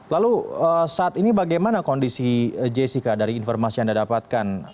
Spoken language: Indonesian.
lalu saat ini bagaimana kondisi jessica dari informasi yang anda dapatkan